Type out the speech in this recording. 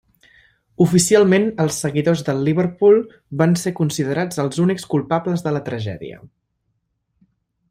Oficialment els seguidors del Liverpool van ser considerats els únics culpables de la tragèdia.